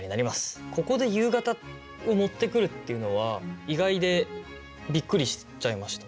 ここで夕方を持ってくるっていうのは意外でびっくりしちゃいました。